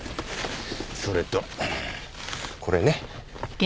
それとこれね。